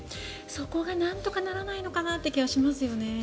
そこがなんとかならないのかなって気がしますよね。